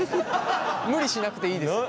無理しなくていいですよ。